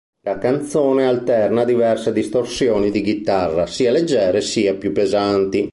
La canzone alterna diverse distorsioni di chitarra, sia leggere sia più pesanti.